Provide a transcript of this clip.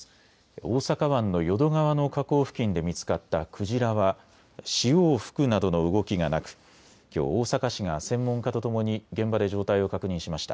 大阪湾の淀川の河口付近で見つかったクジラは潮を吹くなどの動きがなくきょう大阪市が専門家とともに現場で状態を確認しました。